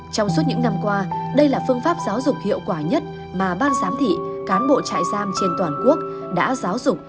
trong suốt những năm qua đây là phương pháp giáo dục hiệu quả nhất mà ban giám thị cán bộ trại giam trên toàn quốc đã giáo dục